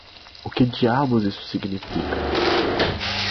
O que diabos isso significa?